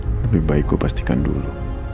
mas lebih baik gue pastikan dulu